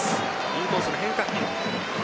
インコースの変化球。